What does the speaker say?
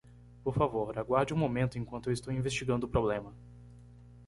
Por favor, aguarde um momento enquanto eu estou investigando o problema.